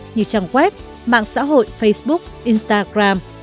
như trang web mạng xã hội facebook instagram